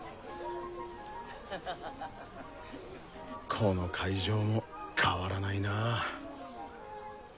この会場も変わらないな。